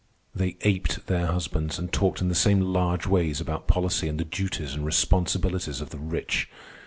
They aped their husbands, and talked in the same large ways about policy, and the duties and responsibilities of the rich.